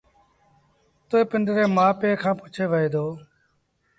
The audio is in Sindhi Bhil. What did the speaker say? تا پنڊري مري مآ پي کآݩ پُڇي وهي دو